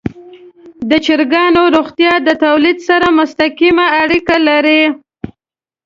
د چرګانو روغتیا د تولید سره مستقیمه اړیکه لري.